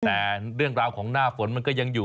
แต่เรื่องราวของหน้าฝนมันก็ยังอยู่